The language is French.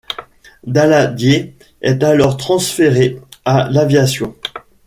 Daladier est alors transféré à l'aviation.